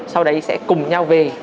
sau đấy sẽ cùng nhau về